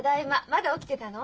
まだ起きてたの？